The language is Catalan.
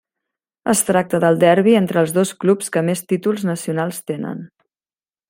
Es tracta del derbi entre els dos clubs que més títols nacionals tenen.